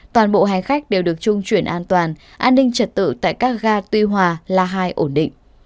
toàn bộ hành khách đều được trung chuyển an toàn an ninh trật tự tại các ga tuy hòa la hai ổn định